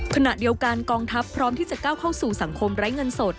ขณะเดียวกันกองทัพพร้อมที่จะก้าวเข้าสู่สังคมไร้เงินสด